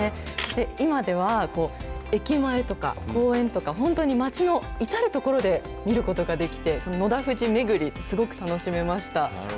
今では駅前とか、公園とか、本当に街の至る所で見ることができて、のだふじ巡り、すごく楽しめました。